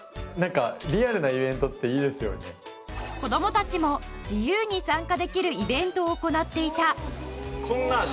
子供たちも自由に参加できるイベントを行っていた。